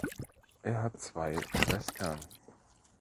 Er hat zwei Schwestern.